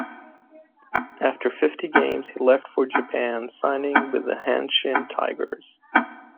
After fifty games, he left for Japan, signing with the Hanshin Tigers.